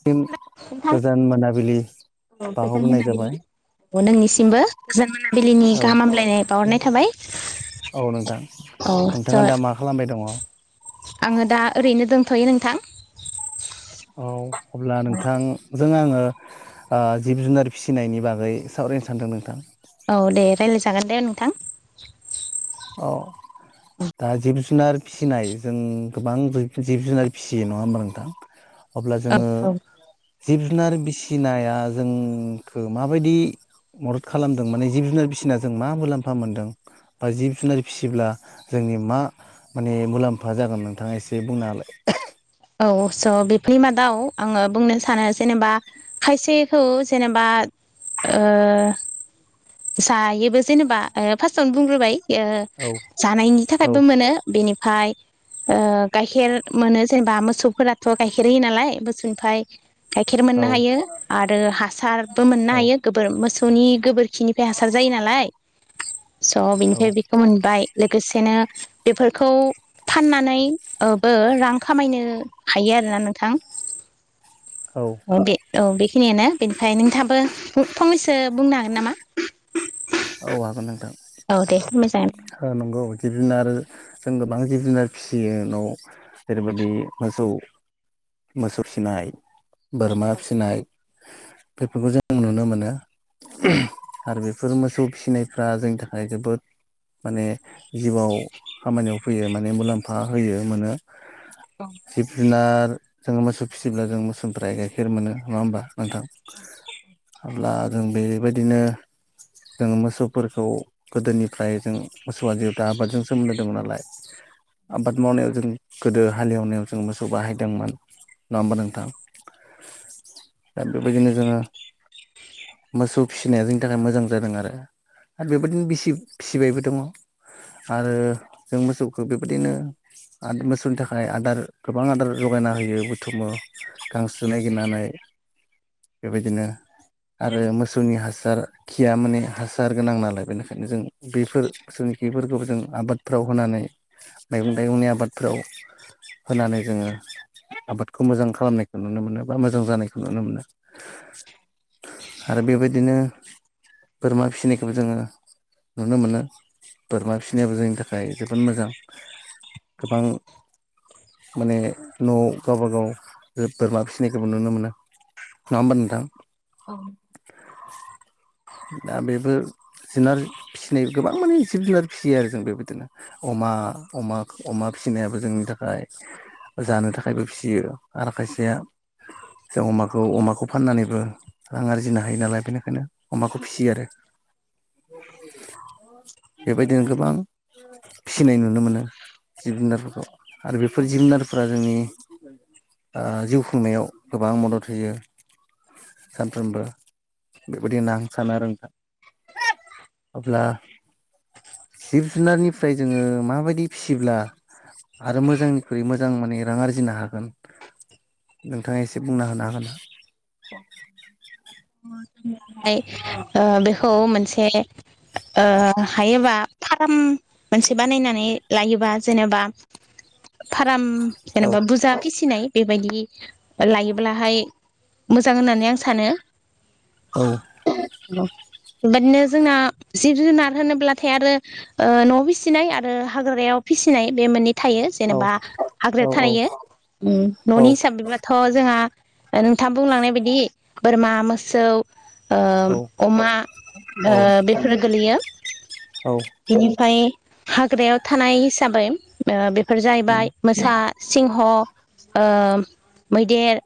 सिम नोंथां गोजान मोनाबिलि औ गोजोन बावहरग्रोनाय मोनाबिलि जाबाय नोंनिसिमबो गोजोन मोनाबिलिनि औ गाहाम हामलायनाय बावहरनाय थाबाय औ नोंथां औ स' नोंथाङा दा मा खालामबाय दङ? थ'यो नोंथां औ अब्ला नोंथां जों आङो ओ जिब जुनार फिसिनायनि बागै सावरायनो सानदों नोंथां। औ दे रायज्लायजागोन दे नोंथां। औ दा जिब जुनार फिसिनाय जों गोबां जिब जुनार फिसियो नङा होमबा नोंथां? अब्ला जोङो औ जिब जुनार फिसि नाया जोंखौ माबायदि मदद खालामदों माने जिब जुनार फिसिना जों मा मुलाम्फा मोनदों बा जिब जुनार फिसिब्ला जोंनि मा माने मुलाम्फा जागोन नोंथाङा एसे बुंना होलाय औ स' बेफोरनि मादाव आङो बुंनो सानो जेनेबा खायसेखौ जेनेबा ओ जायोबो जेनेबा फार्स्टआवनो बुंग्रोबाय ओ औ जानायनि थाखायबो मोनो बेनि फ्राय ओ गाइखेर मोनो जेनेबा मोसौफोराथ' गाइखेर होयो नालाय मोसौनिफ्राय गाइखेर मोननो हायो आरो हासारबो मोननो औ हायो गोबोर मोसौ नि गोबोरखि या हासार जायो नालाय स' औ बिनिफ्राय बेखौ मोनबाय लोगोसेनो बेफोरखौ फाननानैबो रां खामायनो हायो आरोना नोंथां औ [unintelligible] औ बेखिनियानो बेनिफ्राय नोंथाङाबो फंनैसो बुंनो हागोन नामा? औ हागोन नोंथां। औ दे मोजां ओ नंगौ जिब जुनार जों गोबां जिब जुनार फिसियो न'आव जेरैबायदि मोसौ मोसौ फिनाय बोरमा फिनाय बेफोरखौ जों नुनो मोनो आरो बेफोर मोसौ फिनायफ्रा जोंनि थाखाय जोबोद माने जिउआव खामानियाव फैयो माने मुलाम्फा होयो मोनो जिब जुनार जोङो मोसौ फिसियोब्ला जों मोसौनिफ्राय गाइखेर मोनो नङा होमबा नोंथां अब्ला जों बेबायदिनो जों मोसौफोरखौ गोदोनिफ्राय जों मोसौआ जिहेथु आबादजों सोमोन्दो दं नालाय आबाद मावनायाव जों गोदो हालेवनायाव जों मोसौ बाहायदोंमोन नङा होमबा नोंथां दा बेबायदिनो जोङो मोसौ फिसिनाया जोंनि थाखाय मोजां जादों आरो आरो बेबायदिनो बिसि फिसिबायबो दङ आरो जों मोसौखौ बेबायदिनो मोसौनि थाखाय आदार गोबां आदार जगायना होयो बुथुमो गांसो नागिरनानै बेबायदिनो आरो मोसौनि हासार खिया माने हासार गोनां नालाय बेनिखायनो जों बेफोर जों बेफोरखौ जों आबादफ्राव होनानै मैगं थाइगंनि आबादफ्राव होनानै जोङो आबादखौ मोजां खालामनायखौ नुनो मोनो बा मोजां जानायखौ नुनो मोनो आरो बेबायदिनो बोरमा फिसिनायखौबो जोङो नुनो मोनो बोरमा फिसिनायाबो जोंनि थाखाय जोबोद मोजां गोबां माने न'आव गावबागाव बोरमा फिसिनायखौबो नुनो मोनो नङा होमबा नोंथां? औ [inaudible] दा बेबो जुनार फिसिनाय गोबां माने जिब जुनार फिसियो आरो जों बेबायदिनो अमा अमा अमा फिसिनायाबो जोंनि थाखाय जानो थाखायबो फिसियो आरो खायसेया जों अमाखौ अमाखौ फाननानैबो रां आरजिनो हायो नालाय बेनिखायनो अमाखौ फिसियो आरो बेबायदिनो गोबां फिसिनाय नुनो मोनो जिब जुनारफोरखौ आरो बेफोर जिब जुनारफोरा जोंनि ओ जिउ खुंनायाव गोबां मदद होयो सानफ्रोमबो बिदि होनना सानो आरो आं अब्ला जिब जुनारनिफ्राय जोङो माबायदि फिसिब्ला आरो मोजांनिख्रुइ मोजां माने रां आरजिनो हागोन नोंथाङा एसे बुंना होनो हागोन ना? ओमफाय ओ बेखौ मोनसे ओ हायोबा फाराम मोनसे बानायनानै लायोबा जेनेबा फाराम औ जेनेबा बुजा फिसि नाय बेबायदि लायोब्लाहाय मोजां होननानै आं सानो औ। बेबादिनो जोंना जिब जुनार होनोब्लाथाय आरो ओ न'आव फिसिनाय आरो हाग्रायाव फिसिनाय बे मोननै थायो औ जेनेबा हाग्राव थायो न'नि औ हिसाबैबाथ' जोंहा ओ नोंथाङां बुंलांनाय बायदि बोरमा मोसौ ओ औ अमा ओ बेफोर गोलैयो औ बिनिफ्राय हाग्रायाव थानाय हिसाबै ओ बे फोर जाहैबाय मोसा सिंह' ओ मैदेर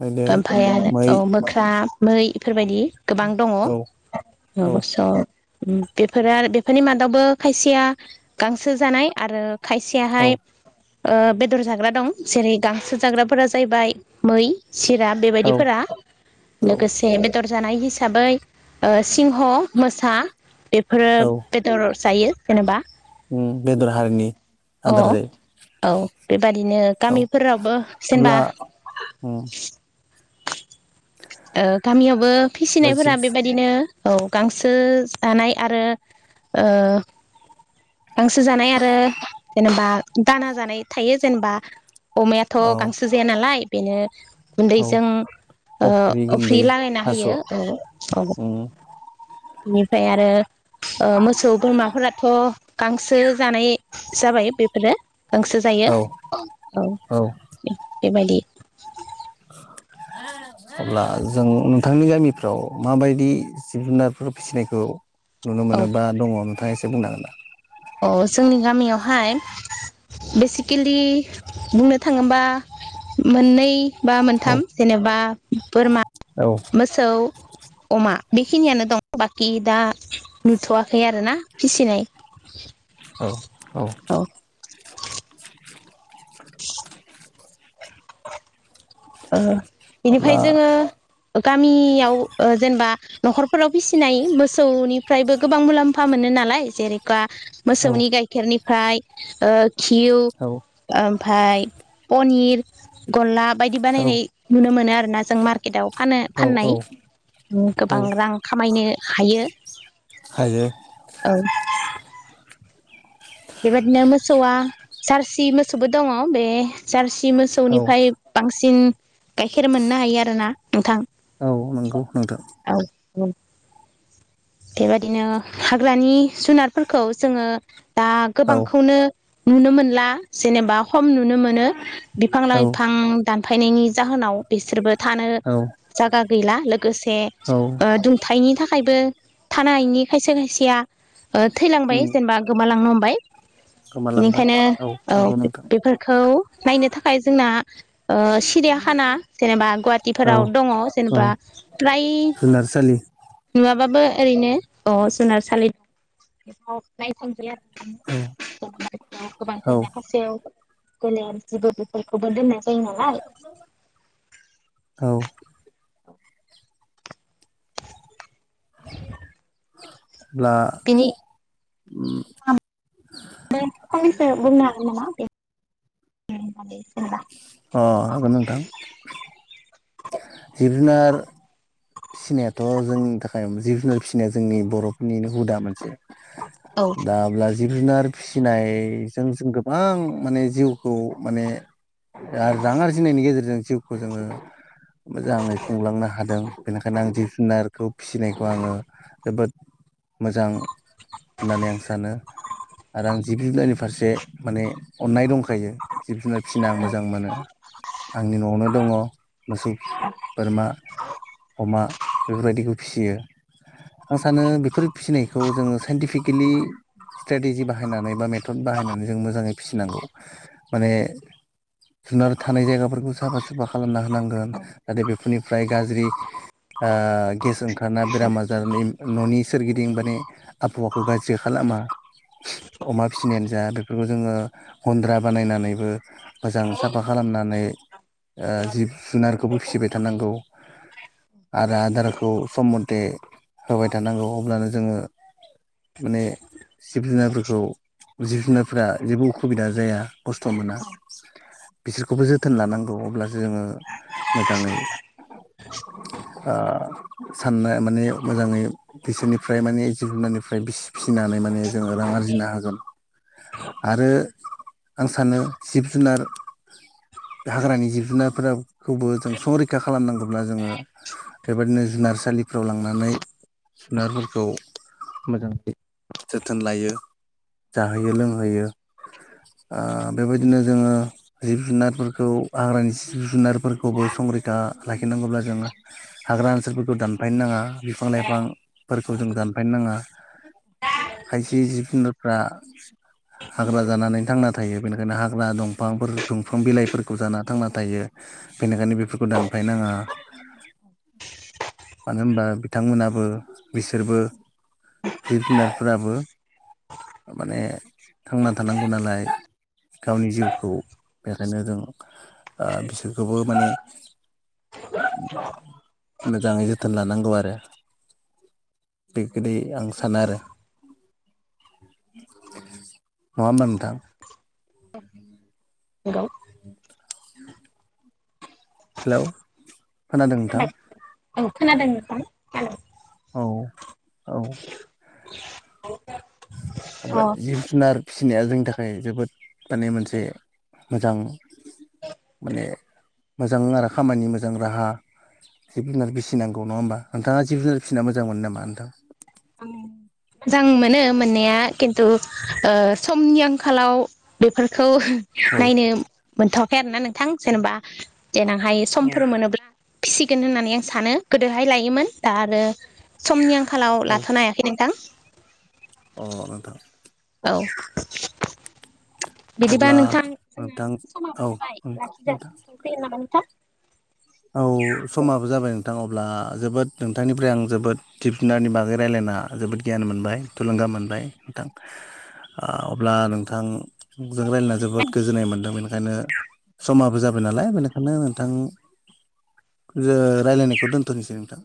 मैदेर ओमफ्राय मै आरो [inaudible] मै इफोरबायदि गोबां दङ औ अ औ बेफोरो आरो बेफोरनि मादावबो खायसेया गांसो जानाय आरो औ खायसेयाहाय ओ बेदर जाग्रा दं जेरै गांसो जाग्राफोरा जाहैबाय मै सिरा औ बेबायदिफोरा लोगोसे बेदर जानाय हिसाबै ओ सिंह, मोसा बेफोरो औ बेदर जायो जेनेबा उम बेदर हारिनि अ आदार जायो औ बेबादिनो औ गामिफोरावबो जेनबा अब्ला उम ओ गामियावबो बा फिसिनायफोरा चिप्स बेबायदिनो औ गांसो जानाय आरो ओ गांसो जानाय आरो जेनेबा दाना जानाय थायो जेनेबा अमायाथ' औ गांसो जाया नालाय बेनो औ गुन्दैजों ओ अफ्रि गुन्दै लागायना थास' होयो औ औ उम बिनिफ्राय आरो ओ मोसौ बोरमाफोराथ' गांसो जानाय जाबाय बेफोरो गांसो जायो औ औ बेबायदि अब्ला जों नोंथांनि गामिफ्राव माबायदि जिब जुनारफोर फिसिनायखौ नुनो मोनोबा दङ नोंथां एस एसे बुंनोहागोन दा? अ जोंनि गामियावहाय बेसिकेलि बुंनो थाङोबा मोननै बा औ मोनथाम जेनेबा बोरमा औ मोसौ अमा बेखिनियानो दं बाखि दा नुथ'वाखै आरोना फिसिनाय । औ औ ओ अब्ला बेनिफाय जोङो गामियाव ओ जेनेबा न'खरफोराव फिसिनाय मोसौनिफ्रायबो गोबां मुलाम्फा मोनो नालाय जेरै गा औ मोसौनि गाइखेरनि फाय ओ खिव औ ओम फाय पनिर गलाब बायदि औ बानायनाय नुनो मोनो आरोना जों मार्केटाव फानो औ औ फाननाय। उम औ गोबां रां खा खामायनो हायो। हायो। औ बेबादिनो मोसौआ जारसि मोसौबो दङ बे जार्सि औ मोसौनिफ्राय बांसिन गाइखेर मोननो हायो आरोना नोंथां। औ नंगौ नोंथां। उम बेबायदिनो हाग्रानि जुनारफोरखौ जोङो दा औ गोबांखौनो नुनो मोनला जेनेबा खम नुनो मोनो। बिफां औ लाइफां दानफायनायनि जाहोनाव बिसोरबो थानो औ जायगा गैला लोगोसे औ ओ दुंथायनि थाखायबो थानोहायैनि खायसे खायसेया ओ उम थैलांबाय जेनेबा गोमालांनो हमबाय गोमालांबाय बेनिखायनो औ नंगौ नोंथां बेफोरखौ नायनो थाखाय जोंना ओ सिरियाखाना जेनेबा औ गुवाहाटिफोराव दङ औ जेनेबा जुनारसालि नङाबाबो ओरैनो अ जुनारसालिदों नायनो थांजायो औ आरो गोबां औ माखासेयाव गोलेर जिबौ बेफोरखौबो दोननाय जायो नालाय औ बला बिनि फंनैसो बुंनो हागोन नामा दे होनबा अ हागोन नोंथां जिब जुनार फिसिनायाथ जोंनि थाखाय जिब जुनार फिसिनाया जोंनि बरफोरनिनो हुदा मोनसे दा अब्ला जिब जुनार फिसिनायजों जों गोबां माने जिउखौ माने आरो रां आरजिनायनि गेजेरजों जिउखौ जोङो मोजाङै खुंलांनो हादों बेनिखायनो आं जिब जुनार खौ फिसिनायखौ आङो जोबोद मोजां होननानै आं सानो आरो आं जिब जुनारनि फारसे माने अन्नाय दं खायो जिब जुनार फिसिनो आं मोजां मोनो आंनि नआवनो दङ मोसौ बोरमा अमा बेफोरबायदिखौ फिसियो आं सानो बेफोर फिसिनायखौ जोङो साइन्टिफिकेलि स्ट्रेटेजि बाहायनानै बा मेथड बाहायनानै जों मोजाङै फिसिनांगौ माने जुनार थानाय जायगाफोरखौ साफा सुफा खालामना होनांगोन जाहाथे बेफोरनिफ्राय गाज्रि ओ गेस ओंखारना बेराम आजारनि ननि सोरगिदिं माने आबहावाखौ गाज्रि खालामा अमा फिसिनायानो जा बेफोरखौ जोङो गन्द्रा बानायनानैबो मोजां साफा खालामनानै ओ जिब जुनारखौबो फिसिबाय थानांगौ आरो आदार आदारखौ सम मथे होबाय थानांगौ अब्लानो जोङो माने जिब जुनारफोरखौ जिब जुनारफ्रा जेबो उखुबिदा जाया खस्थ मोना बिसोरखौबो जोथोन लानांगौ अब्लासो जोङो मोजाङै ओ साननाय माने मोजाङै बिसोरनिफ्राय माने जिब जुनारनिफ्राय फिसिनानै माने जोङो रां आरजिनो हागोन आरो आं सानो जिब जुनार हाग्रानि जिब जुनारफोरखौबो जों संरैखा खालामनांगौब्ला जोङो बेबायदिनो जुनारसालिफ्राव लांनानै जुनारफोरखौ मोजाङै जोथोन लायो जाहोयो लोंहोयो ओ बेबायदिनो जोङो जिब जुनारफोरखौ हाग्रानि जिब जुनारफोरखौबो संरैखा लाखिनांगौब्ला जोङो हाग्रा ओनसोलफोरखौ दानफायनो नाङा बिफां लाइफां फोरखौ जों दानफायनो नाङा खायसे जिब जुनारफ्रा हाग्रा जानानै थांना थायो बेनिखायनो हाग्रा दंफांफोर दंफां बिलाइफोरखौ जाना थांना थायो बेनिखायनो बेफोरखौ दानफायनाङा मानो होनबा बिथांमोनाबो बिसोरबो जिब जुनारफोराबो माने थांना थानांगौ नालाय गावनि जिउखौ बेखायनो जों ओ बिसोरखौबो माने मोजाङै जोथोन लानांगौ आरो बे गोदै आं सानो आरो नङा होमबा नोंथां उम नंगौ हेलौ खोनादों नोंथां औ खोनादों नोंथां हेलौ औ औ अब्ला अ जिब जुनार फिसिनाया जोंनि थाखाय जोबोद माने मोनसे मोजां माने मोजां आरो खामानि मोजां राहा जिब जुनार फिसिनांगौ नङा होमबा नोंथाङा जिब जुनार फिसिना मोजां मोनो नामा नोंथां मोजां मोनो मोननाया खिन्थु ओ समनि आंखालाव बेफोर औ औ नायनो मोनथवाखै आरो ना नोंथां जेनेबा देनांहाय औ समफोर मोनोब्ला फिसिगोन होननानै आं सानो गोदोहाय लायोमोन दा आरो समनि आं आथिखालाव औ लाथ'नो हायाखै नोंथां। अ नोंथां। औ। बिदिबा अब्ला नोंथां जोंना नोंथां औ समाबो जाबाय लाखि नोंथां जासिगोनसै नामा नोंथां? औ समाबो जाबाय नोंथां अब्ला जोबोद नोंथांनिफ्राय आं जोबोद जिब जुनारनि बागै रायलायना जोबोद गियान मोनबाय, थुलुंगा मोनबाय, नोंथां ओ अब्ला नोंथां जों रायलायना जोबोद गोजोन्नाय मोन्दों बेनिखायनो समाबो जाबाय नालाय बेनिखायनो नोंथां जे रायलायनायखौ दोनथ'नोसै नोंथां।